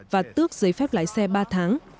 và tước giấy phép lái xe ba tháng